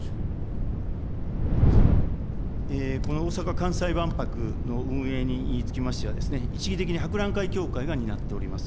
この大阪・関西万博の運営につきましては、一義的に博覧会協会が担っております。